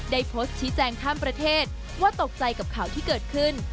ได้โพสต์ชี้แจงข้ามประเทศว่าตกใจกับข่าวที่เกิดขึ้น